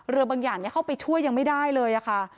บางอย่างเข้าไปช่วยยังไม่ได้เลยค่ะ